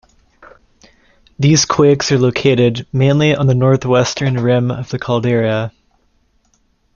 These quakes are located mainly on the northwestern rim of the caldera.